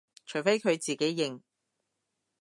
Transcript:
除非佢自己認